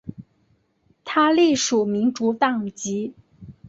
他隶属民主党籍。